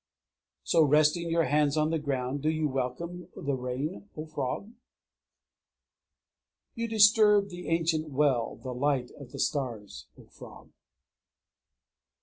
_ So resting your hands on the ground, do you welcome the Rain, O frog? _You disturb in the ancient well the light of the stars, O frog!